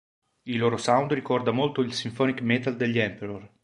Il loro sound ricorda molto il symphonic metal degli Emperor.